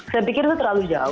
saya pikir itu terlalu jauh